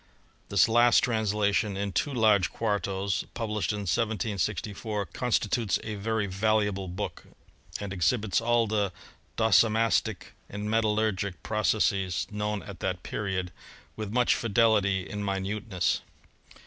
This last translation, in two large quartos, published in 1764, constitutes a very valuable book, and exhibits all the docimastic and metallurgic pro cesses known at that period with much fidelity and mi nuteness.